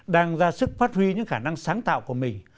đang ra sức phát huy những khả năng sáng tạo của mình